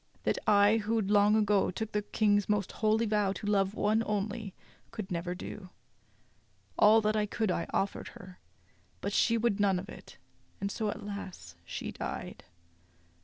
That I, who long ago took the King's most holy vow to love one only, could never do. All that I could I offered her; but she would none of it, and so, alas! she died."